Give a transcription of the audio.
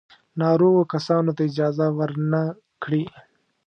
ناروغو کسانو ته اجازه ور نه کړي.